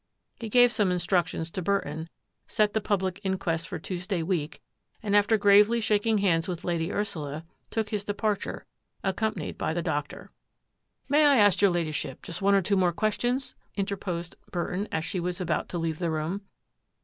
He gave some instructions to Burton, set the public inquest for Tuesday week, and after gravely shaking hands with Lady Ursula, took his departure, accompanied by the doctor. " May I ask your Ladyship just one or two more questions?" interposed Burton, as she was about to leave the room.